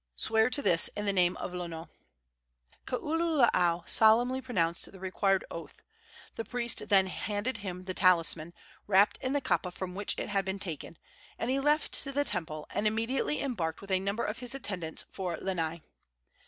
Swear to this in the name of Lono." Kaululaau solemnly pronounced the required oath. The priest then handed him the talisman, wrapped in the kapa from which it had been taken, and he left the temple, and immediately embarked with a number of his attendants for Lanai.